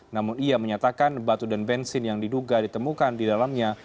namun ia menyatakan batu dan bensin yang diduga ditemukan di dalamnya